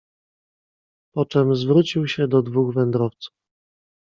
"Poczem zwrócił się do dwóch wędrowców."